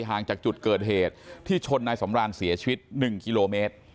ห่างจากจุดเกิดเหตุที่ชนนายสำรานเสียชีวิต๑กิโลเมตร